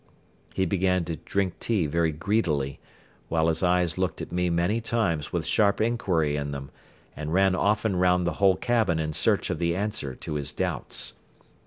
He began to drink tea very greedily, while his eyes looked at me many times with sharp inquiry in them and ran often round the whole cabin in search of the answer to his doubts.